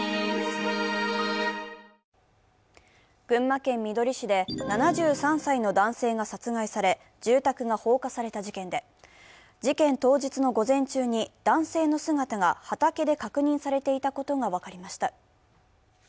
群馬県みどり市で、７３歳の男性が殺害され、住宅が放火された事件で、事件当日の午前中に男性の姿が畑で確認されていたことが分かりました。